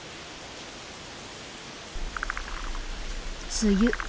梅雨。